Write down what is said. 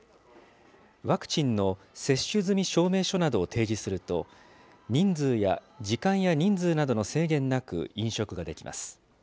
ワクチンの接種済み証明書などを提示すると、時間や人数などの制限なく飲食ができます。